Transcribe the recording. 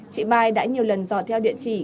chị mai đã nhiều lần dò theo địa chỉ